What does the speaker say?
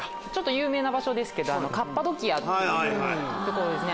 有名な場所ですけどカッパドキアっていう所ですね。